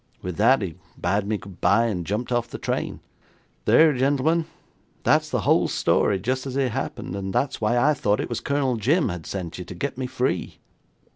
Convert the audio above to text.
With that he bade me good bye and jumped off the train. There, gentlemen, that's the whole story just as it happened, and that's why I thought it was Colonel Jim had sent you to get me free.'